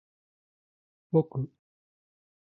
ぼく